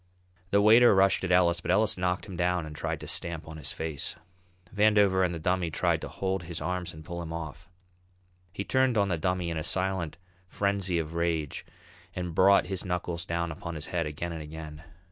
The waiter rushed at Ellis, but Ellis knocked him down and tried to stamp on his face. Vandover and the Dummy tried to hold his arms and pull him off. He turned on the Dummy in a silent frenzy of rage and brought his knuckles down upon his head again and again.